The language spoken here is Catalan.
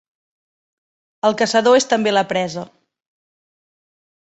El caçador és també la presa.